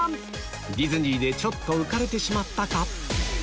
ディズニーでちょっと浮かれてしまったか？